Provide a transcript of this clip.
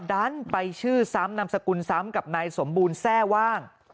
ดันไปชื่อซ้ำนามสกุลซ้ำกับนายสมบูรณ์แทร่ว่าง